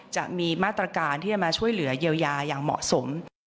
จะมีมาตรการที่จะมาช่วยเหลือเยียวยาอย่างเหมาะสม